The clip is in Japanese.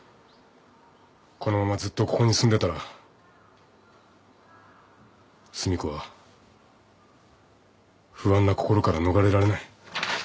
このままずっとここに住んでたら寿美子は不安な心から逃れられない。